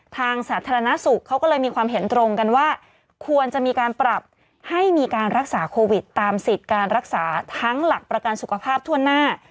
สาธารณสุขเขาก็เลยมีความเห็นตรงกันว่าควรจะมีการปรับให้มีการรักษาโควิดตามสิทธิ์การรักษาทั้งหลักประกันสุขภาพทั่วหน้า